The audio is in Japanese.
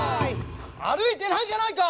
あるいてないじゃないか！